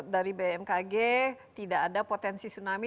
dari bmkg tidak ada potensi tsunami